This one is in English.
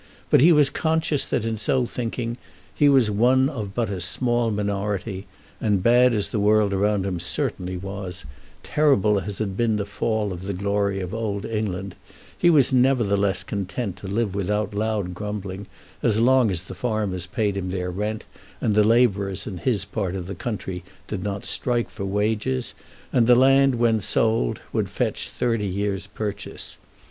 But he was conscious that in so thinking he was one of but a small minority; and, bad as the world around him certainly was, terrible as had been the fall of the glory of old England, he was nevertheless content to live without loud grumbling as long as the farmers paid him their rent, and the labourers in his part of the country did not strike for wages, and the land when sold would fetch thirty years' purchase.